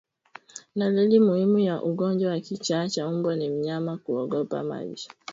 Dalili muhimu ya ugonjwa wa kichaa cha mbwa ni mnyama kuogopa maji